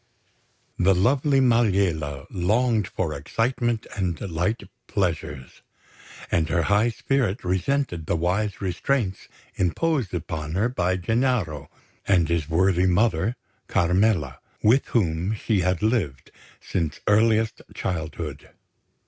The lovely Maliella longed for excitement and light pleasures; and her high spirit resented the wise restraints imposed upon her by Gennaro and his worthy mother, Carmela, with whom she had lived since earliest childhood.